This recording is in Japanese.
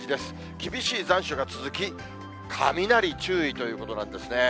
厳しい残暑が続き、雷注意ということなんですね。